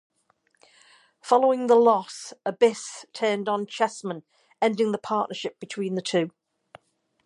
Following the loss, Abyss turned on Chessman, ending the partnership between the two.